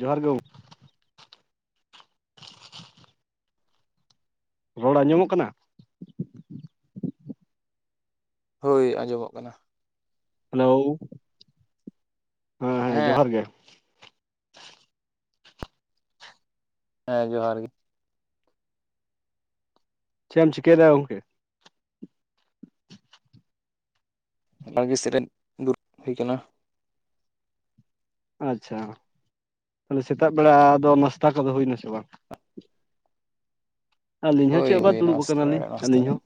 ᱡᱚᱦᱟᱨ ᱜᱮ ᱜᱚ ᱨᱚᱲ ᱟᱸᱡᱚᱢᱚᱜ ᱠᱟᱱᱟ? ᱦᱳᱭ ᱟᱸᱡᱚᱢᱚᱜ ᱠᱟᱱᱟ ᱾ ᱦᱮᱞᱳ, ᱦᱮᱸ ᱦᱮᱸ ᱡᱚᱦᱟᱨ ᱜᱮ ᱾ ᱦᱮᱸ ᱡᱚᱦᱟᱨ ᱜᱮ ᱾ ᱪᱮᱫ ᱮᱢ ᱪᱤᱠᱟᱹᱭᱮᱫᱟ ᱜᱚᱝᱠᱮ? ᱥᱮᱨᱮᱧ ᱫᱩᱨ [unintelligible] ᱦᱩᱭ ᱟᱠᱟᱱᱟ ᱟᱪᱪᱷᱟ ᱛᱟᱦᱚᱞᱮ ᱥᱮᱛᱟᱜ ᱵᱮᱲᱟᱫᱚ ᱱᱟᱥᱛᱟ ᱠᱚᱫᱚ ᱦᱩᱭᱱᱟ ᱥᱮ ᱵᱟᱝ? ᱟᱹᱞᱤᱧ ᱦᱚᱸ ᱦᱳᱭ ᱪᱮᱫ ᱦᱚᱸ ᱵᱟᱝ ᱦᱳᱭ ᱫᱩᱲᱩᱵ ᱱᱟᱥᱛᱟ ᱟᱠᱟᱱᱟ ᱵᱟᱲᱟ ᱱᱟᱥᱛᱟ ᱞᱤᱧ ᱫᱚ ᱦᱚᱸ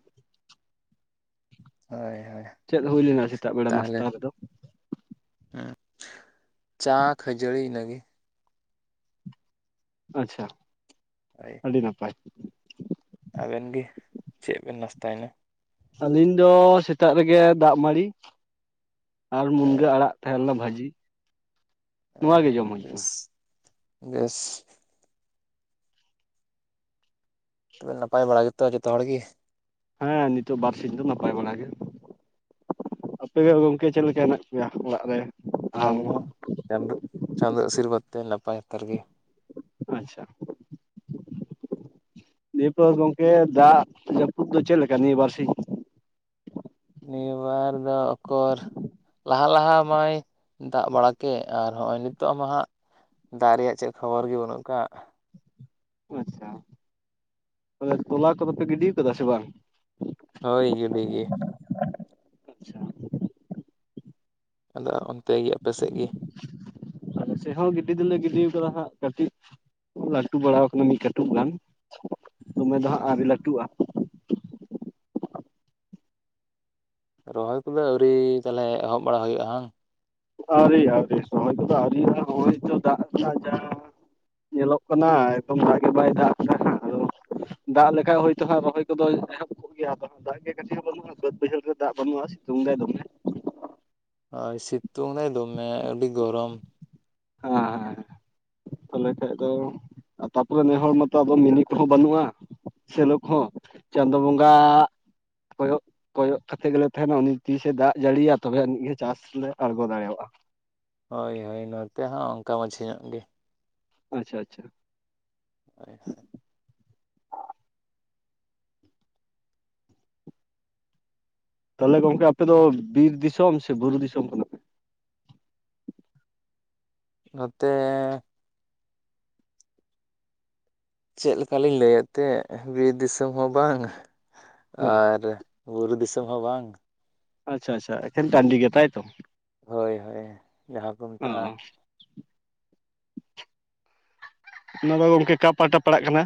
ᱦᱳᱭ ᱦᱳᱭ ᱪᱮᱫ ᱦᱩᱭ ᱞᱮᱱᱟ ᱥᱮᱛᱟᱜ ᱵᱮᱲᱟ ᱱᱟᱥᱛᱟ ᱨᱮᱫᱚ? ᱮᱸᱪᱟ ᱠᱷᱟᱹᱡᱟᱹᱲᱤ ᱤᱱᱟᱹᱜᱤ ᱟᱪᱪᱷᱟ ᱦᱳᱭ ᱟᱹᱰᱤ ᱱᱟᱯᱟᱭ ᱟᱵᱮᱱ ᱜᱮ ᱪᱮᱫ ᱵᱮᱱ ᱱᱟᱥᱛᱟᱭᱮᱱᱟ᱾ ᱟᱹᱞᱤᱧ ᱫᱚ ᱥᱮᱛᱟᱜ ᱨᱮᱜᱮ ᱫᱟᱜ ᱢᱟᱹᱲᱤ ᱟᱨ ᱢᱩᱱᱜᱟᱹ ᱟᱲᱟᱜ ᱛᱟᱦᱮ ᱞᱮᱱᱟ ᱵᱷᱟᱹᱡᱤᱼᱼ ᱦᱚᱭ ᱦᱚᱭ ᱵᱮᱥ ᱵᱮᱥ ᱛᱚᱵᱮ ᱱᱟᱯᱟᱭ ᱵᱟᱲᱟ ᱜᱮᱛᱚ ᱡᱚᱛᱚ ᱦᱚᱲ ᱜᱮ? ᱦᱮᱸ ᱱᱤᱛᱚᱜ ᱵᱟᱨᱥᱤᱧ ᱫᱚ ᱱᱟᱯᱟᱭ ᱵᱟᱲᱟ ᱜᱮᱼᱼ ᱟᱯᱮ ᱜᱮ ᱜᱚᱝᱠᱮ ᱪᱮᱫᱞᱮᱠᱟ ᱦᱮᱱᱟᱜ ᱯᱮᱭᱟ ᱚᱲᱟᱜ ᱨᱮ? ᱟᱞᱤᱧ ᱦᱚᱸ ᱪᱟᱸᱫᱳ ᱪᱟᱸᱫᱳ ᱟᱥᱤᱨᱵᱟ ᱛᱮ ᱱᱟᱯᱟᱭ ᱦᱟᱛᱟᱨ ᱜᱮᱼᱼ ᱟᱪᱪᱷᱟ ᱱᱤᱭᱟᱹ ᱯᱚᱨ ᱜᱚᱝᱠᱮ ᱫᱟᱜ ᱡᱟᱹᱯᱩᱫ ᱫᱚ ᱪᱮᱫᱮᱠᱟ ᱱᱤᱭᱟᱹ ᱵᱟᱨᱥᱤᱧ? ᱱᱤᱭᱟᱹᱵᱟᱨ ᱫᱚ ᱚᱠᱚᱨ ᱞᱟᱦᱟᱼᱼ ᱞᱟᱦᱟ ᱢᱟᱭ ᱫᱟᱜ ᱵᱟᱲᱟ ᱠᱮᱫ ᱟᱨ ᱦᱚᱸᱜᱼᱚᱭ ᱱᱤᱛᱚᱜ ᱟᱢ ᱦᱟᱸᱜ ᱫᱟᱜ ᱨᱮᱭᱟᱜ ᱪᱮᱫ ᱠᱷᱚᱵᱚᱨ ᱜᱮ ᱵᱟᱹᱱᱩᱜ ᱟᱠᱟᱼᱼ ᱟᱪᱪᱷᱟ ᱛᱚᱞᱟ ᱠᱚᱫᱚ ᱯᱮ ᱜᱤᱰᱤ ᱟᱠᱟᱫᱟ ᱥᱮ ᱵᱟᱝ? ᱦᱳᱭ ᱜᱤᱰᱤ ᱜᱮᱼᱼ ᱟᱪᱪᱷᱟ ᱟᱫᱚ ᱚᱱᱛᱮ ᱜᱮ ᱟᱯᱮ ᱥᱮᱫ ᱜᱮᱼᱼ ᱟᱞᱮ ᱥᱮᱫ ᱦᱚᱸ ᱜᱤᱰᱤ ᱫᱚᱞᱮ ᱜᱤᱰᱤ ᱠᱟᱫᱟ ᱦᱟᱸᱜ ᱠᱟᱹᱴᱤᱡᱼᱼ ᱞᱟᱹᱴᱩ ᱵᱟᱲᱟ ᱠᱟᱱᱟ ᱢᱤᱫ ᱠᱟᱹᱴᱩᱵ ᱜᱟᱱ ᱫᱚᱢᱮ ᱫᱚ ᱦᱟᱸᱜ ᱟᱨ ᱞᱟᱹᱴᱩᱜᱼᱟ᱾ ᱨᱚᱦᱚᱭ ᱠᱚᱫᱚ ᱟᱹᱣᱨᱤ ᱛᱟᱦᱚᱞᱮ ᱮᱦᱚᱵ ᱵᱟᱲᱟ ᱦᱩᱭᱩᱜᱼᱟ᱾ ᱟᱹᱣᱨᱤ ᱟᱹᱣᱨᱤ ᱥᱚᱢᱚᱭ ᱠᱚᱫᱚ ᱟᱹᱣᱨᱤᱼᱟ ᱦᱚᱜᱚᱭᱛᱚ ᱫᱟᱜ ᱨᱮᱱᱟᱜ ᱡᱟᱼᱼ ᱧᱮᱞᱚᱜ ᱠᱟᱱᱟ ᱮᱠᱫᱚᱢ ᱫᱟᱜ ᱜᱮ ᱵᱟᱭ ᱫᱟᱜ ᱦᱟᱹᱜ ᱟᱫᱚᱼᱼ ᱫᱟᱜ ᱞᱮᱠᱷᱟᱱ ᱦᱳᱭᱛᱳ ᱦᱟᱸᱜ ᱨᱚᱦᱚᱭ ᱠᱚᱫᱚ ᱮᱦᱚᱵ ᱠᱚᱜ ᱜᱮᱭᱟ ᱫᱟᱜ ᱜᱮ ᱠᱟᱹᱴᱤᱡ ᱦᱚᱸ ᱵᱟᱹᱱᱩᱜᱼᱟ ᱵᱟᱹᱫ ᱵᱟᱹᱭᱦᱟᱹᱲ ᱨᱮ ᱫᱟᱜ ᱵᱟᱹᱱᱩᱜᱼᱟ ᱥᱤᱛᱩᱝ ᱜᱮ ᱫᱚᱢᱮ ᱦᱳᱭ ᱥᱤᱛᱩᱝ ᱫᱚᱭ ᱫᱚᱢᱮ ᱟᱹᱰᱤ ᱜᱚᱨᱚᱢᱼᱼ ᱱᱚᱣᱟ ᱛᱟᱦᱚᱞᱮ ᱠᱷᱟᱱᱡ ᱫᱚ ᱛᱟᱯᱚᱨᱮ ᱱᱮ ᱦᱚᱲᱚᱲ ᱢᱟᱛᱚ ᱢᱤᱱᱤ ᱠᱚᱦᱚᱸ ᱵᱟᱹᱱᱩᱜᱼᱟ᱾ ᱥᱮᱞᱚ ᱠᱟᱦᱚᱸ ᱪᱟᱸᱫᱳ ᱵᱚᱸᱜᱟ ᱠᱚᱭᱚᱜᱼᱼ ᱠᱚᱭᱚᱜ ᱠᱟᱛᱮᱫ ᱜᱮᱞᱮ ᱛᱟᱦᱮᱱᱟ ᱩᱱᱤ ᱛᱤᱥᱮ ᱫᱟᱜ ᱡᱟᱹᱲᱤᱭᱤᱭᱟ ᱛᱚᱵᱮ ᱟᱹᱱᱤᱡ ᱜᱮ ᱪᱟᱥ ᱞᱮ ᱟᱬᱜᱚ ᱫᱟᱲᱮᱭᱟᱜᱼᱟ᱾ ᱦᱳᱭ ᱦᱳᱭ ᱱᱚᱛᱮ ᱦᱚᱸ ᱚᱱᱠᱟ ᱢᱟᱹᱡᱷᱷᱟ ᱧᱚᱜ ᱜᱮᱼᱼ ᱟᱪᱪᱷᱟ ᱟᱪᱪᱷᱟ ᱦᱳᱭ ᱦᱳᱭ ᱛᱟᱦᱚᱞᱮ ᱜᱚᱝᱠᱮ ᱟᱯᱮᱚ ᱵᱤᱨ ᱫᱤᱥᱚᱢ ᱥᱮ ᱵᱩᱨᱩ ᱫᱤᱥᱚᱢ ᱠᱷᱚᱱᱟ? ᱱᱚᱛᱮᱼᱼ ᱪᱮᱫ ᱞᱮᱠᱟᱞᱤᱧ ᱞᱟᱹᱭ ᱮᱮᱫ ᱛᱟᱦᱮᱸ ᱵᱤᱨ ᱫᱤᱥᱚᱢ ᱦᱚᱸ ᱵᱟᱝ᱾ [unintelligible] ᱦᱮᱸ ᱟᱨ ᱵᱩᱨᱩ ᱫᱤᱥᱚᱢ ᱦᱚᱸ ᱵᱟᱝ, ᱟᱪᱪᱷᱟ ᱟᱪᱪᱷᱟ ᱮᱠᱷᱮᱱ ᱴᱟᱺᱰᱤ ᱜᱮᱛᱟᱭ ᱛᱚ? ᱦᱳᱭ ᱦᱳᱭ ᱡᱟᱦᱟᱸ ᱠᱚ ᱢᱮᱛᱟᱜᱼᱟ ᱚᱱᱟ ᱫᱚ ᱟᱫᱚ ᱜᱚᱝᱠᱮ ᱠᱟ ᱯᱟᱦᱴᱟ ᱯᱟᱲᱟᱜ ᱠᱟᱱᱟ,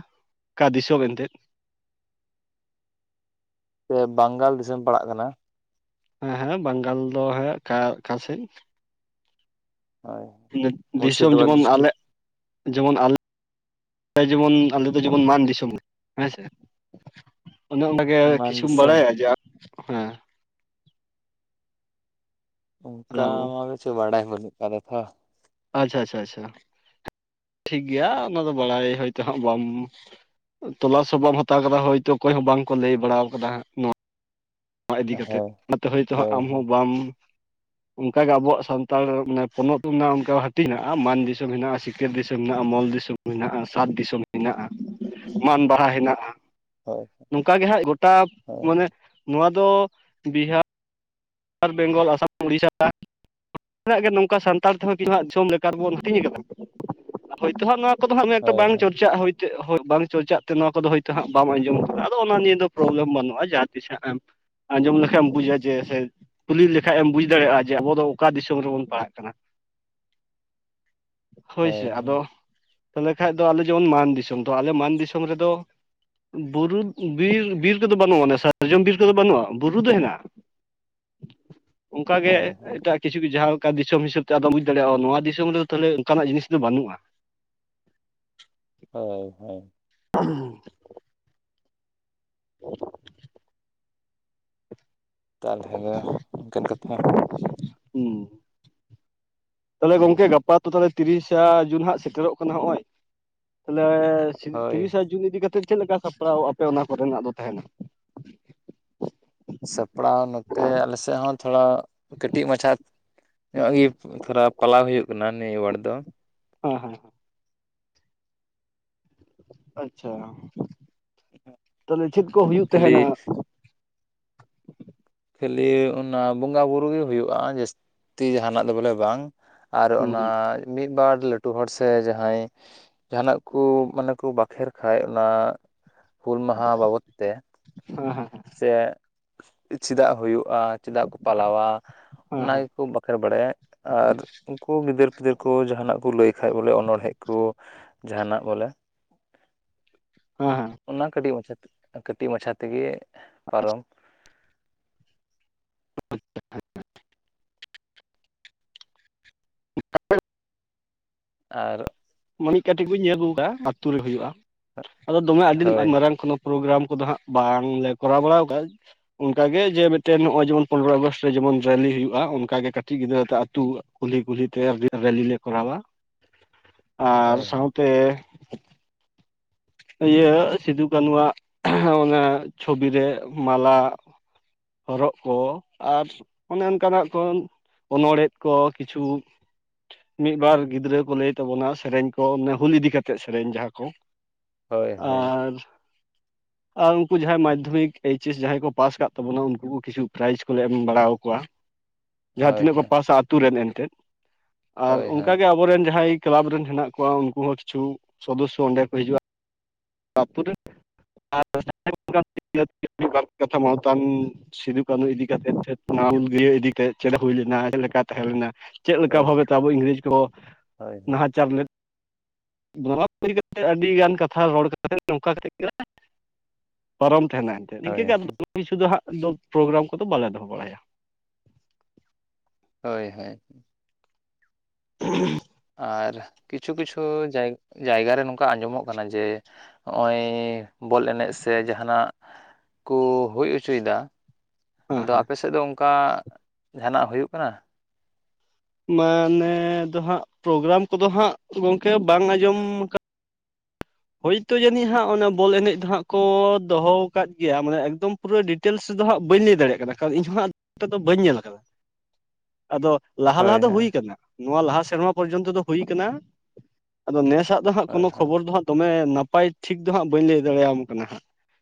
ᱚᱠᱟ ᱫᱤᱥᱚᱢ ᱮᱱᱛᱮᱫ? ᱦᱮᱸ ᱵᱟᱝᱜᱟᱞ ᱫᱤᱥᱟᱹᱢ ᱯᱟᱲᱟᱜ ᱠᱟᱱᱟ᱾ ᱦᱮᱸ ᱦᱮᱸ ᱵᱟᱝᱜᱟᱞ ᱫᱚ ᱦᱮᱸ ᱚᱠᱟ ᱚᱠᱟᱥᱮᱫ? ᱦᱳᱭ [unintelligible] ᱫᱤᱥᱚᱢ ᱢᱩᱨᱥᱤᱫᱟᱵᱟᱫᱽ ᱡᱮᱢᱚᱱ ᱰᱤᱥᱴᱤᱠ ᱟᱞᱮᱜ ᱡᱮᱢᱚᱱ ᱟᱞᱮ- ᱚᱱᱮ ᱡᱮᱢᱚᱱ ᱟᱢᱫᱚ ᱫᱚ ᱡᱮᱢᱚᱱ ᱢᱟᱱ ᱫᱤᱥᱚᱢ ᱦᱮᱸᱥᱮ, ᱚᱱᱮ ᱚᱸᱵᱮ ᱜᱮ ᱢᱟᱱ ᱠᱤᱪᱷᱩᱢ ᱫᱤᱥᱚᱢ ᱵᱟᱲᱟᱭᱟ ᱡᱮ ᱟᱢ, ᱦᱮᱸ᱾ ᱦᱮᱞᱳ ᱚᱸᱠᱟ ᱢᱟ ᱫᱚ ᱪᱮᱫ ᱵᱟᱲᱟᱭ ᱵᱟᱹᱱᱩᱜ ᱟᱠᱟᱫᱟ ᱛᱷᱚ, ᱟᱪᱪᱷᱟ ᱟᱪᱪᱷᱟ ᱟᱪᱪᱷᱟ [inaudible] ᱴᱷᱤᱠ ᱜᱮᱭᱟ ᱚᱱᱟ ᱫᱚ ᱵᱟᱲᱟᱭ ᱦᱚᱭᱛᱳ ᱦᱟᱸᱜ ᱵᱟᱢ ᱳᱸ ᱛᱚᱞᱟᱥ ᱵᱟᱢ ᱦᱟᱛᱟᱣ ᱟᱠᱟᱫᱟ ᱦᱳᱭᱛᱳ ᱚᱠᱚᱭ ᱦᱚᱸ ᱵᱟᱝᱠᱚ ᱞᱟᱹᱭ ᱵᱟᱲᱟ ᱣᱟᱠᱟᱫᱟ ᱦᱟᱸᱜ ᱱᱚᱣᱟ, ᱱᱚᱣᱟ ᱤᱫᱤ ᱠᱟᱛᱮᱫ ᱦᱳᱭ ᱚᱱᱟᱛᱮ ᱦᱚᱭᱛᱳ ᱦᱟᱸᱜ ᱦᱳᱭ ᱟᱢ ᱦᱳᱭ ᱦᱚᱸ ᱵᱟᱢ ᱚᱱᱠᱟ ᱜᱮ ᱟᱵᱚᱣᱟᱜ ᱥᱟᱱᱛᱟᱲ ᱢᱟᱱᱮ ᱯᱚᱱᱚᱛ ᱢᱮᱱᱟᱜᱼᱟ, ᱚᱱᱠᱟ ᱦᱟᱹᱴᱤᱧ ᱦᱮᱱᱟᱜᱼᱟ ᱢᱟᱱ ᱫᱤᱥᱚᱢ ᱦᱮᱱᱟᱜᱼᱟ, ᱥᱤᱧ ᱥᱤᱠᱟᱹᱨ ᱫᱤᱥᱚᱢ ᱦᱮᱸᱱᱟᱜ ᱢᱚᱞ ᱫᱤᱥᱚᱢ ᱢᱮᱱᱟᱜᱼᱟ ᱥᱟᱛ ᱫᱤᱥᱚᱢ ᱦᱮᱱᱟᱜᱼᱟ, ᱢᱟᱱ ᱵᱟᱦᱟ ᱦᱮᱱᱟᱜᱼᱟ, ᱦᱳᱭ ᱱᱚᱝᱠᱟ ᱜᱮ ᱦᱟᱸᱜ ᱜᱚᱴᱟ ᱦᱳᱭ ᱢᱟᱱᱮ ᱱᱚᱣᱟ ᱫᱚ ᱵᱤᱦᱟ- ᱵᱤᱦᱟᱨ, ᱵᱮᱝᱜᱚᱞ, ᱟᱥᱟᱢ, ᱩᱲᱤᱥᱟ, [unintelligible] ᱛᱤᱱᱟᱹᱜ ᱜᱮ ᱱᱚᱝᱠᱟ ᱥᱟᱱᱛᱟᱲ ᱛᱮᱦᱚᱸ ᱠᱤᱪᱷᱩ ᱦᱟᱸᱜ ᱡᱚᱢ ᱞᱮᱠᱟᱨ ᱵᱚᱱ ᱦᱟᱹᱴᱤᱧ ᱟᱠᱟᱫᱟ ᱦᱳᱭᱛᱳ ᱦᱟᱸᱜ ᱱᱚᱣᱟ ᱠᱚᱫᱚ ᱦᱟᱸᱜ ᱢᱮ ᱵᱟᱝ ᱦᱳᱭ ᱪᱚᱨᱪᱟᱜ ᱦᱳᱭ ᱪᱟᱹᱜ ᱦᱚᱸ ᱵᱟᱝ ᱪᱚᱨᱪᱟᱜ ᱛᱮ ᱱᱚᱣᱟ ᱠᱚᱫᱚ ᱦᱚᱭᱛᱳ ᱦᱟᱸᱜ ᱵᱟᱢ ᱟᱸᱡᱚᱢ ᱟᱠᱟᱫᱟ ᱟᱫᱚ ᱚᱱᱟ ᱱᱤᱭᱟᱹ ᱫᱚ ᱯᱨᱚᱵᱽᱞᱚᱢ ᱵᱟᱹᱱᱩᱜᱼᱟ ᱡᱟᱦᱟᱸ ᱛᱤᱥ ᱦᱟᱸᱜ ᱮᱢ ᱟᱸᱡᱚᱢ ᱞᱮᱠᱷᱟᱡ ᱮᱢ ᱵᱩᱡᱼᱟ ᱡᱮ ᱥᱮ ᱠᱩᱞᱤ ᱞᱮᱠᱷᱟᱡ ᱮᱢ ᱵᱩᱡᱽ ᱫᱟᱲᱮᱭᱟᱜᱼᱟ ᱡᱮ ᱟᱵᱚ ᱫᱚ ᱚᱠᱟ ᱫᱤᱥᱚᱢ ᱨᱮᱵᱚᱱ ᱯᱟᱲᱦᱟᱜ ᱠᱟᱱᱟ᱾ ᱦᱳᱭ ᱦᱳᱭᱥᱮ ᱦᱳᱭ ᱟᱫᱚ ᱛᱟᱦᱚᱞᱮ ᱠᱷᱟᱡ ᱫᱚ ᱟᱞᱮ ᱡᱮᱢᱚᱱ ᱢᱟᱱ ᱫᱤᱥᱚᱢ, ᱛᱚ ᱟᱞᱮ ᱢᱟᱱ ᱫᱤᱥᱚᱢ ᱨᱮᱫᱚ ᱵᱩᱨᱩᱵᱽ ᱵᱤᱨ, ᱵᱤᱨ ᱛᱮᱫᱚ ᱵᱟᱹᱱᱩᱜᱼᱟ ᱟᱱᱮ ᱥᱟᱨᱡᱚᱢ ᱵᱤᱨ ᱛᱮᱫᱚ ᱵᱟᱹᱱᱩᱜᱼᱟ ᱵᱩᱨᱩ ᱫᱚ ᱦᱮᱱᱟᱜᱼᱟ, ᱚᱸᱠᱟ ᱜᱮ ᱮᱻ ᱦᱳᱭ ᱦᱳᱭ ᱮᱴᱟᱜᱽ ᱠᱤᱪᱷᱩᱠ ᱡᱟ ᱦᱩᱠᱻᱟ ᱫᱤᱥᱚᱢ ᱦᱤᱥᱟᱹᱵ ᱛᱮ ᱟᱫᱚ ᱵᱩᱡᱽ ᱫᱟᱲᱮᱭᱟᱜᱼᱟ ᱱᱚᱣᱟ ᱫᱤᱥᱚᱢ ᱨᱮᱫᱚ ᱛᱟᱦᱚᱞᱮ ᱚᱸᱠᱟᱱᱟᱜ ᱡᱤᱱᱤᱥ ᱫᱚ ᱵᱟᱹᱱᱩᱜᱼᱟ, ᱦᱳᱭ ᱦᱳᱭ᱾ [unintelligible] [unintelligible] ᱛᱟᱞᱦᱮ ᱫᱚ ᱚᱱᱠᱟᱱ ᱠᱟᱛᱷᱟ ᱾ [inaudible] ᱦᱩᱸ ᱛᱟᱦᱮᱞᱮ ᱦᱳᱭ ᱜᱚᱝᱠᱮ ᱜᱟᱯᱟ ᱛᱚ ᱛᱟᱞᱮ ᱛᱤᱨᱤᱥᱼᱥᱟ ᱡᱩᱱ ᱦᱟᱸᱜ ᱥᱮᱴᱮᱨᱚᱜ ᱠᱟᱱᱟ ᱦᱚᱸᱜᱼᱚᱭ, ᱛᱟᱦᱮᱞᱮ ᱪᱷᱤᱵᱤ ᱦᱳᱭ ᱛᱤᱨᱤᱥᱥᱟ ᱡᱩᱱ ᱤᱫᱤ ᱠᱟᱛᱮᱫ ᱪᱮᱫ ᱞᱮᱠᱟ ᱥᱟᱯᱲᱟᱣ ᱟᱯᱮ ᱚᱱᱟ ᱠᱚᱨᱮᱱᱟᱜ ᱫᱚ ᱛᱟᱦᱮᱸᱱᱟ? ᱥᱟᱯᱲᱟᱣ ᱱᱚᱛᱮ ᱟᱞᱮ ᱥᱮᱜ ᱦᱚᱸ ᱛᱷᱚᱲᱟ ᱠᱟᱹᱴᱤᱡ ᱢᱟᱪᱷᱟ ᱧᱚᱜ ᱜᱮᱯ ᱠᱷᱟᱨᱟᱯ ᱯᱟᱞᱟᱣ ᱦᱩᱭᱩᱜ ᱠᱟᱱᱟ ᱱᱤᱭᱟᱹ ᱣᱟᱴ ᱫᱚ, ᱦᱚᱸ ᱦᱮᱸ ᱦᱮᱸ ᱾ ᱟᱪᱪᱷᱟ, ᱛᱟᱦᱮᱞᱮ ᱪᱮᱫ ᱠᱚ ᱦᱩᱭᱩᱜ ᱠᱷᱟᱹᱞᱤ ᱛᱟᱦᱮᱱᱟ? ᱠᱷᱟᱹᱞᱤ ᱚᱱᱟ ᱵᱚᱸᱜᱟ ᱵᱩᱨᱩ ᱜᱮ ᱦᱩᱭᱩᱜᱼᱟ ᱡᱟᱹᱥ ᱛᱤ ᱡᱟᱦᱟᱸᱱᱟᱜ ᱫᱚ ᱵᱚᱞᱮ ᱵᱟᱝ, ᱟᱨ ᱦᱩᱸ ᱚᱱᱟᱻᱭ ᱢᱤᱫ ᱵᱟᱨ ᱞᱟᱹᱴᱩ ᱦᱚᱲ ᱥᱮ ᱡᱟᱦᱟᱸᱭ ᱡᱟᱦᱟᱸᱟᱱᱟᱜ ᱠᱩ ᱢᱟᱱᱮ ᱠᱩ ᱵᱟᱠᱷᱮᱨ ᱠᱷᱟᱡ ᱚᱱᱟ ᱦᱩᱞ ᱢᱟᱦᱟ ᱵᱟᱵᱚᱛ ᱛᱮ, ᱦᱮᱸ ᱦᱮᱸ ᱦᱮᱸ, ᱥᱮᱜ ᱪᱮᱫᱟᱜ ᱦᱩᱭᱩᱜᱼᱟ, ᱪᱮᱫᱟᱜ ᱠᱚ ᱯᱟᱞᱟᱣᱟ ᱦᱮᱸ ᱚᱱᱟ ᱦᱮᱸ ᱜᱮᱠᱚ ᱵᱟᱠᱷᱮᱬ ᱵᱟᱲᱟᱭᱟ, ᱟᱨ ᱩᱸᱠᱩ ᱜᱤᱫᱟᱹᱨ ᱯᱤᱫᱟᱹᱨ ᱠᱚ ᱡᱟᱦᱟᱸᱱᱟᱜ ᱠᱚ ᱞᱟᱹᱭ ᱠᱷᱟᱡ ᱵᱚᱞᱮ ᱚᱱᱚᱲᱦᱮᱸᱫ ᱠᱚ, ᱡᱟᱦᱟᱸᱱᱟᱜ ᱵᱚᱞᱮ, ᱦᱟᱦᱟ ᱾ ᱚᱱᱟ, ᱠᱟᱹᱴᱤᱡ ᱢᱟᱪᱷᱟ ᱛᱮ, ᱠᱟᱹᱴᱤᱡ ᱢᱟᱪᱷᱟ ᱛᱮᱜᱮ, ᱯᱟᱨᱚᱢ ᱟᱨᱻᱚ ᱾ ᱢᱟᱬᱤᱡ ᱠᱟᱹᱴᱤᱡ ᱠᱩᱧ ᱧᱮᱞ ᱟᱜᱩᱣᱟᱠᱟᱜᱼᱟ, ᱟ. ᱛᱳ ᱨᱮ ᱦᱩᱭᱩᱜᱼᱟ, ᱟᱫᱚ ᱫᱚᱢᱮ ᱟᱹᱰᱤ ᱦᱳᱭ ᱢᱟᱨᱟᱝ ᱠᱷᱚᱱᱚ ᱯᱨᱳᱜᱨᱟᱢ ᱠᱚᱫᱚ ᱦᱟᱸᱜ, ᱵᱟᱝᱞᱮ ᱠᱚᱨᱟᱣ ᱵᱟᱲᱟᱣ ᱟᱠᱟᱫᱼᱟ ᱾ ᱚᱱᱠᱟ ᱜᱮ, ᱡᱮ ᱢᱤᱫᱴᱮᱱ ᱱᱚᱜᱼᱚᱭ, ᱡᱮᱢᱚᱱ ᱯᱚᱱᱨᱚᱭ ᱟᱜᱚᱥᱴ ᱨᱮ ᱡᱮᱢᱚᱱ ᱨᱮᱞᱤ ᱦᱩᱭᱩᱜᱼᱟ ᱾ ᱚᱱᱠᱟ ᱜᱮ ᱠᱟᱹᱴᱤᱡ ᱜᱤᱫᱽᱨᱟᱹ ᱛᱮ ᱟᱹᱛᱳ ᱾ ᱠᱩᱞᱦᱤ ᱠᱩᱞᱦᱤ ᱛᱮ, ᱨᱮᱞᱤ ᱞᱮ ᱠᱚᱨᱟᱣᱟ ᱾ ᱟᱨ, ᱦᱳᱭ ᱥᱟᱶᱛᱮ ᱤᱭᱟᱹ, ᱥᱤᱫᱩ ᱠᱟᱹᱱᱷᱩᱣᱟᱜ, ᱠᱷᱼᱭᱜ ᱚᱱᱟ ᱪᱷᱳᱵᱤ ᱨᱮ ᱢᱟᱞᱟ ᱦᱚᱨᱚᱜ ᱠᱚ, ᱟᱨ ᱚᱱᱮ, ᱚᱱᱠᱟ ᱱᱟᱜ ᱠᱚ ᱚᱱᱚᱲ ᱦᱮᱫ ᱠᱚ, ᱠᱤᱪᱷᱩ ᱢᱤᱫᱵᱟᱨ ᱜᱤᱫᱽᱨᱟᱹ ᱠᱚ, ᱞᱟᱹᱭ ᱛᱟᱵᱚᱱᱟ ᱥᱮᱨᱮᱧ ᱠᱚ, ᱚᱱᱮ ᱦᱩᱞ ᱤᱫᱤ ᱠᱟᱛᱮᱜ, ᱥᱮᱨᱮᱧ ᱡᱟᱦᱟᱸ ᱠᱚ ᱾ ᱦᱳᱭ ᱦᱳᱭ ᱟᱨ ᱟᱨ, ᱩᱱᱠᱩ ᱡᱟᱦᱟᱸᱭ ᱢᱟᱫᱽᱫᱷᱚᱢᱤᱠ ᱟ ᱮᱭᱤᱪ ᱮᱥ ᱡᱟᱦᱟᱸᱭ ᱠᱚ, ᱯᱟᱥ ᱟᱠᱟᱫ ᱛᱟᱵᱚᱱᱟ, ᱩᱱᱠᱩ ᱠᱚ ᱠᱤᱪᱷᱩ ᱯᱨᱟᱭᱤᱡᱽ ᱠᱚᱞᱮ, ᱮᱢ ᱵᱟᱲᱟ ᱟᱠᱚᱣᱟ ᱾ ᱡᱟᱦᱟᱸ ᱦᱳᱭ ᱦᱳᱭ ᱛᱤᱱᱟᱹᱜ ᱠᱚ, ᱯᱟᱥᱟ ᱟᱛᱳ ᱨᱮᱱ ᱮᱱᱛᱮᱫ, ᱟᱨ ᱦᱳᱭ ᱦᱳᱭ ᱚᱱᱠᱟ ᱜᱮ ᱟᱵᱚ ᱨᱮᱱ ᱡᱟᱦᱟᱸᱭ ᱠᱮᱞᱟᱵ ᱨᱮᱱ ᱦᱮᱱᱟᱜ ᱠᱚᱣᱟ, ᱩᱱᱠᱩ ᱦᱚᱸ ᱠᱤᱪᱷᱩ ᱥᱚᱫᱚᱥᱥᱚ ᱚᱸᱰᱮ ᱠᱚ, ᱦᱤᱡᱩᱜᱼᱟ ᱾ ᱛᱟᱯᱚᱨᱮ [unintelligible] ᱠᱟᱛᱷᱟ ᱢᱟᱱᱚᱛᱟᱱ ᱥᱤᱫᱩ ᱠᱟᱹᱱᱷᱩ ᱤᱫᱤ ᱠᱟᱛᱮᱫ, [unintelligible] ᱚᱱᱟ ᱦᱩᱞ ᱤᱫᱤ ᱛᱮ, ᱪᱮᱫ ᱦᱩᱭ ᱞᱮᱱᱟ, ᱪᱮᱫ ᱞᱮᱠᱟ ᱛᱟᱦᱮᱸ ᱞᱮᱮᱱᱟ ᱾ ᱪᱮᱫ ᱞᱮᱠᱟ ᱦᱳᱭ ᱵᱷᱟᱵᱮ ᱛᱮ, ᱟᱵᱚ ᱤᱝᱨᱮᱡᱽ ᱠᱚ, ᱦᱳᱭ ᱱᱟᱦᱟᱪᱟᱨ ᱞᱮᱫ [unintelligible] ᱠᱟᱛᱮ, ᱟᱹᱰᱤ ᱜᱟᱱ ᱠᱟᱛᱷᱟ ᱨᱚᱲ ᱠᱟᱛᱮ, [unintelligible] ᱱᱚᱝᱠᱟ ᱠᱟᱛᱮ ᱜᱮ, ᱯᱟᱨᱚᱢ ᱛᱟᱦᱮᱸᱱᱟ, ᱮᱱᱛᱮᱫ ᱱᱤᱝᱠᱟᱹ ᱦᱳᱭ ᱜᱮ ᱾ ᱠᱤᱪᱷᱩ ᱫᱚ ᱦᱟᱸᱜ, ᱫᱚ ᱯᱨᱳᱜᱨᱟᱢ ᱠᱚᱫᱚ, ᱵᱟᱞᱮ ᱫᱚᱦᱚ ᱵᱟᱲᱟᱭᱟ ᱾ ᱦᱳᱭ ᱦᱳᱭ᱾ ᱩᱷᱼᱦᱩᱦᱼᱷᱩ ᱾ ᱟᱨ, ᱠᱤᱪᱷᱩ ᱠᱤᱪᱷᱩ ᱡᱟᱭᱼᱮ-ᱜᱽ ᱡᱟᱭᱜᱟ ᱨᱮ, ᱱᱚᱝᱠᱟ ᱟᱸᱡᱚᱢᱚᱜ ᱠᱟᱱᱟ ᱡᱮ ᱦᱚᱜᱼᱚᱸᱭ, ᱵᱚᱞ ᱮᱱᱮᱡ ᱥᱮ, ᱡᱟᱦᱟᱸᱱᱟᱜ ᱠᱚ, ᱦᱩᱭ ᱦᱚᱪᱚ ᱮᱫᱟ ᱾ ᱦᱮᱸ ᱟᱫᱚ, ᱦᱮᱸ ᱟᱯᱮ ᱥᱮᱫ ᱫᱚ, ᱚᱝᱠᱟ ᱡᱟᱦᱟᱸᱱᱟᱜ ᱦᱩᱭᱩᱜ ᱠᱟᱱᱟ ᱾ ᱢᱟᱱᱮ, ᱫᱚ ᱦᱟᱸᱜ, ᱯᱨᱳᱜᱨᱟᱢ ᱠᱚᱫᱚ ᱦᱟᱸᱜ, ᱜᱚᱢᱠᱮ ᱵᱟᱝ ᱟᱸᱡᱚᱢ ᱟᱠᱟᱱ ᱦᱳᱭᱛᱳ ᱡᱟᱹᱱᱤᱡ ᱦᱟᱸᱜ, ᱚᱱᱟ ᱵᱚᱞ ᱮᱱᱮᱡ ᱫᱚ ᱦᱟᱸᱜ, ᱠᱚ ᱫᱚᱦᱚ ᱟᱠᱟᱫ ᱜᱮᱭᱟ, ᱢᱟᱱᱮ ᱮᱠᱫᱚᱢ ᱯᱩᱨᱟᱹ ᱰᱤᱴᱮᱞᱥ ᱫᱚ ᱦᱟᱸᱜ, ᱵᱟᱹᱧ ᱞᱟᱹᱭ ᱫᱟᱲᱮᱭᱟᱜ ᱠᱟᱱᱟ ᱾ ᱠᱟᱨ ᱤᱧᱦᱚ ᱱᱟᱷ ᱚᱱᱛᱮ ᱫᱚ ᱵᱟᱹᱧ ᱧᱮᱞ ᱟᱠᱟᱫᱟ ᱾ ᱟᱫᱚ ᱞᱟᱦᱟ ᱦᱳᱭ ᱞᱟᱦᱟ ᱫᱚ, ᱦᱳᱭ ᱦᱩᱭ ᱟᱠᱟᱱᱟ ᱾ ᱱᱚᱣᱟ ᱞᱟᱦᱟ ᱥᱮᱨᱢᱟ ᱯᱚᱨᱡᱚᱱᱛᱚ ᱫᱚ, ᱦᱩᱭ ᱟᱠᱟᱱᱟ ᱾ ᱟᱫᱚ ᱱᱮᱥᱟᱜ ᱫᱚ ᱦᱟᱸᱜ, ᱦᱳᱭ ᱠᱚᱱᱳ ᱦᱳᱭ ᱠᱷᱚᱵᱚᱨ ᱫᱚ ᱦᱟᱸᱜ ᱫᱚᱢᱮ ᱱᱟᱯᱟᱭ ᱴᱷᱤᱠ ᱫᱚ ᱦᱟᱸᱜ, ᱵᱟᱹᱧ ᱞᱟᱹᱭ ᱫᱟᱲᱮᱭᱟᱢ ᱠᱟᱱᱟ ᱦᱟᱸᱜ,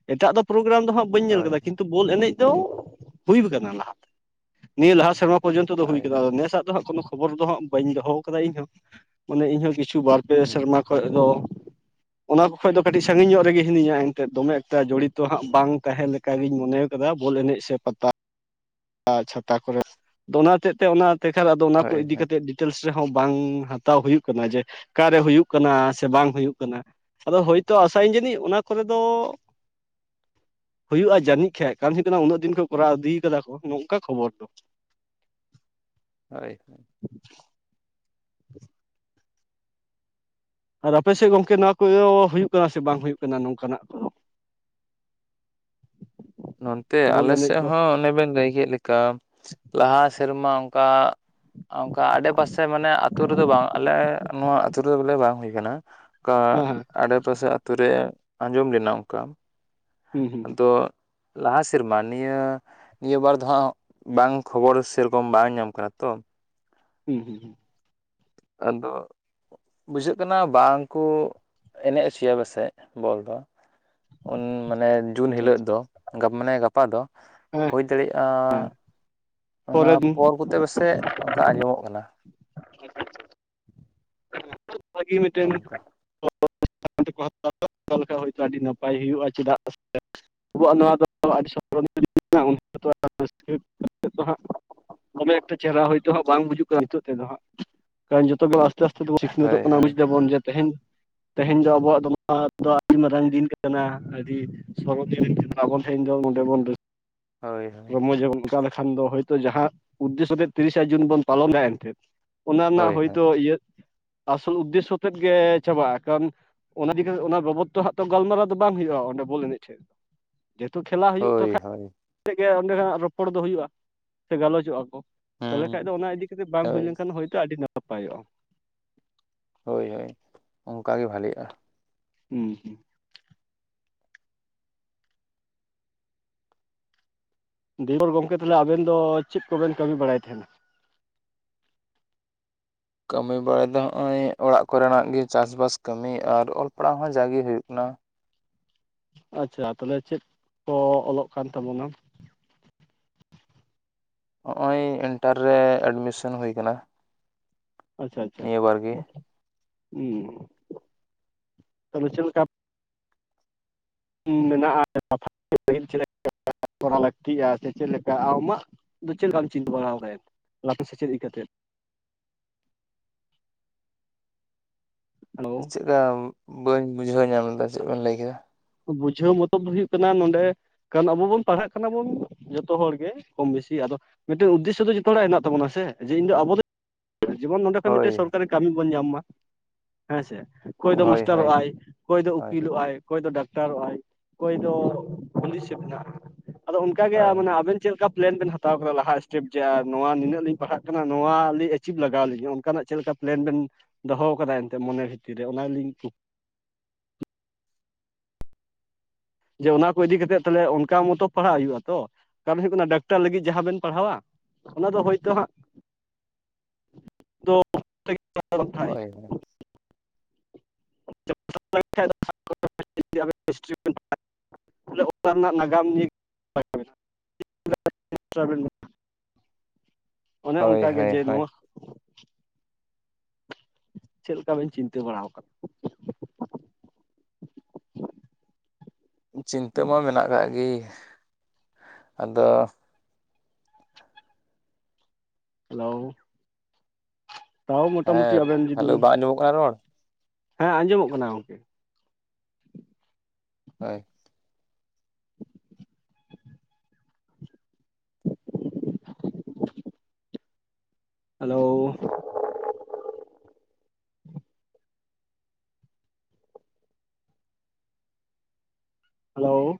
ᱮᱴᱟᱜ ᱫᱚ ᱯᱨᱳᱜᱨᱟᱢ ᱫᱚ ᱦᱟᱸᱜ, ᱵᱟᱹᱧ ᱧᱮᱞ ᱦᱳᱭ ᱟᱠᱟᱫᱟ, ᱠᱤᱱᱛᱩ ᱵᱚᱞ ᱮᱱᱮᱡ ᱫᱚ, ᱦᱩᱭ ᱣᱟᱠᱟᱵᱱᱟᱷ, ᱱᱤᱭᱟᱹ ᱞᱟᱦᱟ ᱥᱮᱨᱢᱟ ᱯᱚᱨᱡᱚᱱᱛᱚ ᱫᱚ ᱦᱳᱭ ᱦᱩᱭ ᱦᱳᱭ ᱟᱠᱟᱱᱟ ᱾ ᱱᱮᱥᱟᱜ ᱫᱚ ᱠᱳᱱᱚ ᱠᱷᱚᱵᱚᱨ ᱫᱚ ᱦᱟᱸᱜ, ᱵᱟᱹᱧ ᱫᱚᱦᱚ ᱟᱠᱟᱫᱟ, ᱤᱧᱦᱚᱸ, ᱢᱟᱱᱮ ᱤᱧ ᱦᱚᱸ ᱠᱤᱪᱷᱩ ᱵᱟᱨ ᱯᱮ ᱦᱩᱸ ᱥᱮᱨᱢᱟ ᱠᱷᱚᱡ ᱫᱚ, ᱚᱱᱟ ᱠᱷᱚᱡ ᱫᱚ, ᱠᱟᱹᱴᱤᱡ ᱥᱟᱺᱜᱤᱧ ᱧᱚᱜ ᱨᱮᱜᱮ, ᱦᱤᱱᱟ. ᱧᱟ ᱾ ᱮᱱᱛᱮᱫ ᱫᱚᱢᱮ ᱮᱠᱴᱟ ᱡᱚᱲᱤ ᱛᱚ ᱦᱟᱸᱜ, ᱵᱟᱝ ᱛᱟᱦᱮᱸ ᱞᱮᱠ ᱞᱮᱠᱟ ᱜᱤᱧ ᱢᱚᱱᱮ ᱭᱟᱠᱟᱫᱟ, ᱵᱚᱞ ᱮᱱᱮᱡ ᱥᱮ ᱯᱟᱛᱟ ᱾ ᱟᱻ, ᱪᱷᱟᱛᱟ ᱠᱚᱨᱮ ᱾ ᱫᱚᱱᱟ ᱛᱮᱫ ᱛᱮ, ᱚᱱᱟ ᱛᱮᱠᱷᱟᱨ ᱟᱫᱚ, ᱚᱱᱟ ᱠᱚ ᱦᱳᱭ ᱤᱫᱤ ᱦᱳᱭ ᱠᱟᱛᱮ ᱰᱤᱴᱮᱞᱥ ᱨᱮᱦᱚᱸ, ᱵᱟᱝ ᱦᱟᱛᱟᱣ ᱦᱩᱭᱩᱜ ᱠᱟᱱᱟ ᱾ ᱡᱮ, ᱚᱠᱟᱨᱮ ᱦᱩᱭᱩᱜ ᱠᱟᱱᱟ ᱥᱮ, ᱵᱟᱝ ᱦᱩᱭᱩᱜ ᱠᱟᱱᱟ ᱾ ᱟᱫᱚ ᱦᱳᱭ ᱛᱳ, ᱟᱥᱟ ᱭᱟ. ᱧ ᱡᱟᱹᱱᱤᱡ, ᱚᱱᱟ ᱠᱚᱨᱮ ᱫᱚ ᱦᱩᱭᱩᱜᱼᱟ, ᱡᱟᱱᱤᱡ ᱠᱷᱟᱡ, ᱩᱱᱟᱹᱜ ᱫᱤᱱ ᱠᱚ ᱠᱚᱨᱟᱣ ᱤᱫᱤ ᱟᱠᱟᱫᱟ ᱠᱚ, ᱱᱚᱝᱠᱟ ᱠᱷᱚᱵᱚᱨ ᱫᱚ ᱾ ᱦᱳᱭ ᱾ ᱟᱫᱚ, ᱟᱯᱮ ᱥᱮᱫ ᱜᱚᱝᱠᱮ, ᱱᱚᱣᱟ ᱠᱚᱭᱚ ᱦᱩᱭᱩᱜ ᱠᱟᱱᱟ ᱥᱮ, ᱵᱟᱝ ᱦᱩᱭᱩᱜ ᱠᱟᱱᱟ, ᱱᱚᱝᱠᱟ ᱱᱟᱜ ᱠᱚᱫᱚ ᱾ ᱱᱚᱱᱛᱮ ᱵᱚᱞ ᱟᱞᱮ ᱮᱱᱮᱡ ᱥᱮᱫ ᱠᱚ ᱦᱚᱸ ᱚᱱᱮ ᱵᱮᱱ ᱞᱟᱹᱭ ᱠᱮᱫ ᱞᱮᱠᱟ ᱞᱟᱦᱟ ᱥᱮᱨᱢᱟ ᱚᱱᱠᱟᱼᱼ ᱚᱱᱠᱟ ᱟᱰᱮᱯᱟᱥᱮ ᱢᱟᱱᱮ ᱟ ᱟᱹᱛᱩ ᱨᱮᱫᱚ ᱵᱟᱝ ᱟᱞᱮ ᱱᱚᱣᱟ ᱟᱹᱛᱩ ᱨᱮᱫᱚ ᱵᱚᱞᱮ ᱵᱟᱝ ᱦᱩᱭ ᱠᱟᱱᱟ᱾ ᱚᱱᱠᱟ ᱦᱮᱸ ᱟᱰᱮᱯᱟᱥᱮ ᱟᱛᱳ ᱨᱮ ᱟᱸᱡᱚᱢ ᱞᱮᱱᱟ ᱚᱱᱠᱟ᱾ ᱦᱩᱸ ᱦᱩᱸ ᱛᱚ ᱞᱟᱦᱟ ᱥᱮᱨᱢᱟ ᱱᱤᱭᱟᱹᱼᱼ ᱱᱤᱭᱟᱹ ᱵᱟᱨ ᱫᱚ ᱦᱟᱜ ᱵᱟᱝ ᱠᱷᱚᱵᱚᱨ ᱥᱮᱨᱚᱠᱚᱢ ᱵᱟᱝ ᱧᱟᱢ ᱠᱟᱱᱟ ᱛᱚ ᱦᱩᱸ ᱦᱩᱸ ᱦᱩᱸ ᱟᱫᱚ ᱵᱩᱡᱷᱟᱹᱜ ᱠᱟᱱᱟ ᱵᱟᱝᱠᱩ ᱮᱱᱮᱡ ᱚᱪᱚᱭᱟ ᱯᱟᱥᱮᱡ ᱵᱚᱞ ᱫᱚᱼᱼ ᱩᱱ ᱢᱟᱱᱮ ᱡᱩᱱ ᱟᱪᱪᱷᱟ ᱦᱤᱞᱳᱜ ᱟᱪᱪᱷᱟ ᱫᱚ, ᱢᱟᱱᱮ ᱜᱟᱯᱟ ᱫᱚ ᱦᱮᱸ ᱦᱩᱭ ᱫᱟᱲᱮᱭᱟᱜᱼᱟ ᱚᱱᱟ ᱯᱚᱨᱮᱨ ᱫᱤᱱ ᱯᱚᱨ ᱠᱚᱼᱼ ᱯᱮᱥᱮ ᱚᱱᱠᱟ ᱟᱸᱡᱚᱢᱚᱜ ᱠᱟᱱᱟ᱾ [inaudible] [inaudible] ᱵᱷᱟᱜᱤ ᱱᱚᱜᱼᱚ ᱢᱤᱫᱴᱮᱱ ᱱᱚᱝᱠᱟ [unintelligible] [unintelligible] ᱟᱹᱰᱤ ᱱᱟᱯᱟᱭ ᱦᱩᱭᱩᱜᱼᱟ ᱪᱮᱫᱟᱜ ᱥᱮ [unintelligible] ᱫᱚᱢᱮ ᱮᱠᱴᱟ ᱪᱮᱦᱨᱟ ᱦᱚᱭᱛᱳ ᱦᱜ ᱵᱟᱝ ᱵᱩᱡᱩᱜ ᱠᱟᱱᱟ ᱱᱤᱛᱚᱜ ᱛᱮᱫᱚ ᱟᱸᱜ ᱠᱚᱱ ᱡᱚᱛᱚ ᱜᱮᱼᱼ ᱟᱥᱛᱮ ᱛᱮ ᱥᱤᱠᱷᱱᱟᱛᱚᱜ ᱦᱳᱭ ᱠᱟᱱᱟ ᱦᱳᱭ ᱵᱩᱡ ᱫᱟᱵᱚᱱ ᱡᱮ ᱛᱮᱦᱮᱧ ᱛᱮᱦᱮᱧ ᱫᱚ ᱟᱵᱚᱣᱟᱜ ᱫᱚ ᱱᱚᱣᱟ ᱫᱚ ᱟᱹᱰᱤ ᱢᱟᱨᱟᱝ ᱫᱤᱱ ᱠᱟᱱᱟ ᱟᱹᱰᱤᱼᱼ ᱥᱚᱨᱵ ᱴᱷᱮᱱ ᱫᱚ ᱱᱚᱰᱮ ᱵᱚᱱᱟᱹ ᱦᱳᱭ ᱦᱳᱭ ᱨᱚᱢᱚᱡᱚᱱ ᱚᱱᱠᱟ ᱞᱮᱠᱷᱟᱱ ᱫᱚᱼᱼ ᱡᱟᱦᱟᱸ ᱩᱫᱽᱫᱮᱥᱚ ᱛᱮ ᱛᱤᱨᱤᱥᱟ ᱡᱩᱱ ᱵᱚᱱ ᱯᱟᱞᱚᱱᱟ ᱮᱱᱛᱮᱫ ᱚᱱᱟ ᱨᱮᱱᱟᱜ ᱦᱳᱭ ᱦᱳᱭ ᱦᱳᱭᱛᱳ ᱤᱭᱟᱹᱼᱼ ᱟᱥᱚᱞ ᱩᱫᱽᱫᱮᱥᱚ ᱛᱮᱫ ᱜᱮ ᱪᱟᱵᱟᱜᱼᱟ ᱚᱱᱟ ᱤᱠᱤ ᱠᱟᱛᱮ ᱚᱱᱟ ᱵᱟᱵᱚᱫ ᱛᱚ ᱦᱟᱸ ᱛᱚ ᱜᱟᱞᱢᱟᱨᱟᱣ ᱫᱚ ᱵᱟᱝ ᱦᱩᱭᱩᱜᱼᱟ ᱚᱸᱰᱮ ᱵᱚᱞ ᱮᱱᱮᱡ ᱴᱷᱮᱡ ᱫᱚ ᱡᱮᱦᱮᱛᱩ ᱠᱷᱮᱞᱟ ᱦᱩᱭᱩᱜ ᱛᱚ ᱦᱳᱭ ᱠᱷᱟ ᱦᱳᱭ ᱜᱮ ᱚᱸᱰᱮ ᱠᱷᱱᱟᱜ ᱨᱚᱯᱚᱲ ᱫᱚ ᱦᱩᱭᱩᱜᱼᱟ ᱥᱮ ᱜᱟᱞᱚᱪᱚᱜᱼᱟ ᱠᱚᱼᱼ ᱛᱟᱦᱚᱞᱮ ᱠᱷᱟᱱᱡ ᱦᱩᱸ ᱫᱚ ᱚᱱᱟ ᱤᱫᱤ ᱠᱟᱛᱮ ᱵᱟᱝ ᱦᱩᱭ ᱦᱳᱭ ᱞᱮᱱᱠᱷᱟᱱ ᱦᱭᱛᱳ ᱟᱹᱰᱤ ᱱᱟᱯᱟᱭᱚᱜᱼᱟ᱾ ᱦᱳᱭ ᱦᱳᱭ ᱚᱱᱠᱟᱟᱜ ᱜᱮ ᱵᱷᱷᱟᱞᱤᱜᱼᱟ᱾ ᱦᱮᱸ ᱫᱮᱵᱚᱨ ᱜᱚᱢᱠᱮ ᱛᱟᱦᱚᱞᱮ ᱟᱵᱮᱱ ᱫᱚ ᱪᱮᱫ ᱠᱚᱵᱮᱱ ᱠᱟᱹᱢᱤ ᱵᱟᱲᱟᱭ ᱛᱟᱦᱮᱱᱟ? ᱠᱟᱹᱢᱤ ᱵᱟᱲᱮ ᱫᱚ ᱱᱚᱜ ᱚᱚᱭ ᱚᱲᱟᱜ ᱠᱚᱨᱮᱱᱟᱜ ᱜᱮ ᱪᱟᱥ ᱵᱟᱥ ᱠᱟᱹᱢᱤ ᱟᱨ ᱚᱞ ᱯᱟᱲᱦᱟᱣ ᱦᱚᱸ ᱡᱟᱜᱮ ᱦᱩᱭᱩᱜ ᱠᱟᱱᱟ᱾ ᱟᱪ ᱪᱷᱟ ᱛᱟᱦᱚᱞᱮ ᱪᱮᱫ ᱠᱚ ᱚᱞᱚᱜ ᱠᱟᱱ ᱛᱟᱵᱚᱱᱟ? ᱱᱚᱜ ᱚᱭ ᱤᱱᱴᱟᱨ ᱨᱮ ᱮᱰᱢᱤᱥᱚᱱ ᱦᱩᱭ ᱟᱠᱟᱱᱟ᱾ ᱟᱪ ᱪᱷᱟ ᱟᱪ ᱪᱷᱟ ᱦᱸ ᱛᱟᱦᱞᱮ ᱪᱮᱫ ᱞᱮᱠᱟᱼᱼ ᱢᱮᱱᱟᱜᱼᱟ [unintelligible] ᱠᱚᱟᱣ ᱞᱟᱹᱠᱛᱤᱜᱼᱟ ᱥᱮ ᱪᱮᱫ ᱞᱮᱠᱟ ᱟᱢᱟᱜ ᱫᱚ ᱪᱮᱫ ᱞᱮᱠᱟᱢ ᱪᱤᱱᱛᱟᱹ ᱵᱟᱲᱟ ᱟᱠᱟ᱾ ᱞᱟᱯᱮ ᱥᱮᱪᱮᱫ ᱤᱫᱤ ᱠᱟᱛᱮᱫ? ᱦᱮᱞᱳ ᱪᱮᱫᱠᱟ ᱵᱟᱹᱧ ᱵᱩᱡᱷᱟᱹᱣ ᱧᱟᱢ ᱞᱮᱫᱟ ᱪᱮᱫ ᱵᱮᱱ ᱞᱟᱹᱭᱠᱟᱫᱟ᱾ ᱵᱩᱡᱷᱟᱹᱣ ᱢᱚᱛᱚᱵ ᱫᱚ ᱦᱩᱭᱩᱜ ᱠᱟᱱᱟ ᱱᱚᱰᱮᱼᱼ ᱠᱟᱨᱚᱱ ᱟᱵᱚ ᱵᱚᱱ ᱯᱟᱲᱦᱟᱜ ᱠᱟᱱᱟ ᱵᱚᱱ ᱡᱚᱛᱚ ᱦᱚᱲ ᱜᱮ ᱠᱚᱢ ᱵᱮᱥᱤ ᱟᱫᱚᱼᱼ ᱢᱤᱫᱴᱮᱱ ᱩᱫᱮᱥᱚ ᱫᱚ ᱡᱚᱛᱚ ᱦᱚᱲᱟᱜ ᱦᱮᱱᱟᱜ ᱛᱟᱚᱱᱟ ᱥᱮ ᱤᱧ ᱫᱚ ᱟᱵᱚ ᱫᱚᱼᱼ ᱡᱮᱢᱚᱱ ᱱᱚᱰᱮ ᱠᱷᱚᱱᱚᱡ ᱦᱳᱭ ᱢᱤᱫᱴᱮᱱ ᱥᱚᱨᱠᱟᱨᱤ ᱠᱟᱹᱢᱤ ᱵᱚᱱ ᱧᱟᱢ ᱢᱟ ᱦᱮᱸ ᱥᱮᱼᱼ ᱚᱠᱚᱭ ᱫᱚ ᱦᱳᱭ ᱦᱳᱭ ᱢᱟᱥᱴᱟᱨᱚᱜᱼᱟᱭ ᱚᱠᱚᱭ ᱫᱚ ᱦᱳᱭ ᱩᱯᱤᱞᱚᱜᱼ ᱟᱭ ᱚᱠᱚᱭ ᱫᱚ ᱰᱟᱠᱛᱟᱨᱼᱼ ᱟᱨᱚᱜ ᱟᱭ ᱚᱠᱚᱭ ᱫᱚ ᱦᱩᱞᱤᱥ ᱦᱮᱱᱟᱜᱼᱟ ᱟᱫᱚ ᱚᱱᱠᱟᱟᱜᱮ ᱦᱳᱭ ᱢᱟᱱᱮ ᱟᱵᱮᱱ᱾ ᱪᱮᱫ ᱞᱮᱠᱟ ᱯᱞᱮᱱ ᱵᱮᱱ ᱦᱟᱛᱟᱣ ᱟᱠᱟᱫᱟ ᱞᱟᱦᱟ ᱥᱥᱴᱮᱯ ᱡᱮ ᱟᱨ ᱱᱚᱣᱟ ᱱᱤᱱᱟᱹᱜ ᱞᱤᱧ ᱯᱟᱲᱦᱟᱜ ᱠᱟᱱᱟ ᱱᱚᱣᱟ ᱞᱤᱧ ᱮᱪᱤᱵᱷ ᱞᱟᱜᱟᱣ ᱞᱤᱧᱟ ᱚᱱᱠᱟᱱᱟᱜ ᱪᱮᱫ ᱞᱮᱠᱟ? ᱯᱮᱞᱮᱱ ᱵᱮᱱ ᱫᱚᱦᱚ ᱟᱠᱟᱫᱟ ᱮᱱᱛᱮ ᱢᱚᱱᱮ ᱵᱷᱤᱛᱤᱨ ᱨᱮ ᱚᱱᱟᱞᱤᱧ ᱠᱩᱼᱼ ᱡᱮ ᱚᱱᱟ ᱠᱚ ᱤᱫᱤ ᱠᱟᱛᱮᱜ ᱛᱟᱦᱮ ᱚᱱᱠᱟ ᱢᱚᱛᱚ ᱯᱟᱲᱦᱟᱜ ᱦᱩᱭᱩᱜ ᱟ ᱛᱚ ᱠᱟᱨᱚᱱ ᱦᱩᱭᱩᱜ ᱠᱟᱱᱟ ᱰᱟᱠᱛᱟᱨ ᱞᱟᱹᱜᱤᱫ ᱡᱟᱦᱟᱸ ᱵᱮᱱ ᱯᱟᱲᱦᱟᱣᱟ ᱚᱱᱟ ᱫᱚ ᱦᱳᱭᱛᱚ ᱦᱟᱸᱜ [inaudible] ᱦᱮᱡ ᱱᱟᱢ [inaudible] ᱵᱚᱞᱮ ᱚᱠᱟ ᱨᱮᱱᱟᱜ ᱱᱟᱜᱟᱢ ᱡᱮ [inaudible] ᱚᱱᱮ ᱦᱳᱭ ᱚᱱᱠᱟ ᱜᱮ ᱦᱳᱭ ᱡᱮ ᱦᱳᱭ ᱱᱚᱣᱟ ᱪᱮᱫᱞᱮᱠᱟ ᱵᱤᱱ ᱪᱤᱱᱛᱟᱹ ᱵᱟᱲᱟ ᱟᱠᱟᱫᱟ ᱪᱤᱱᱛᱟᱹ ᱢᱟ ᱢᱮᱱᱟᱜ ᱟᱠᱟᱫ ᱜᱮ ᱟᱫᱚ ᱦᱮᱞᱳ ᱛᱟᱣ ᱢᱳᱚᱴᱟᱢᱩᱴᱤ ᱦᱮᱸ ᱟᱵᱮᱱ ᱦᱮᱞᱳ ᱡᱩᱫᱤᱵᱮᱱ ᱵᱟᱝ ᱟᱸᱡᱚᱢᱚᱜ ᱠᱟᱱᱟ ᱨᱚᱲ ᱦᱮᱸ ᱟᱸᱡᱚᱢᱚᱜ ᱠᱟᱱᱟ ᱜᱚᱝᱠᱮ ᱦᱳᱭ ᱦᱮᱞᱳ ᱦᱮᱞᱳ